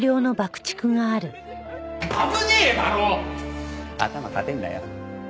危ねえだろ！頭固えんだよ。